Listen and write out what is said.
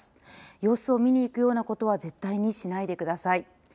様子を見に行くようなことは絶対にしないでください。